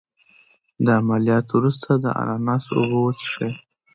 د عملیات وروسته د اناناس اوبه وڅښئ